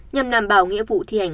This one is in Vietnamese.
nhằm đảm bảo nghĩa vụ thi hành án